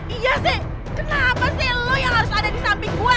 iya sih kenapa sih lo yang harus ada di samping gua